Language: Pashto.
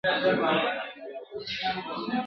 زه له عزراییل څخه سل ځله تښتېدلی یم ..